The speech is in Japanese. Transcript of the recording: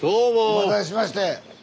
お待たせしまして。